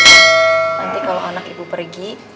nanti kalau anak ibu pergi